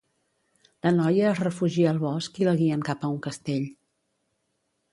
La noia es refugia al bosc i la guien cap a un castell.